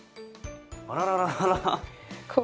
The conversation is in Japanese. あららららら。